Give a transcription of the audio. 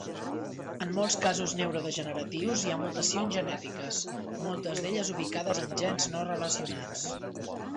En molts casos neurodegeneratius hi ha mutacions genètiques, moltes d'elles ubicades en gens no relacionats.